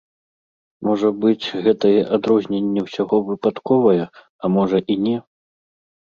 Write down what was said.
Можа быць, гэтае адрозненне ўсяго выпадковае, а можа і не.